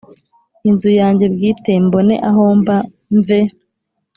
Inzu yange bwite mbone ahomba mve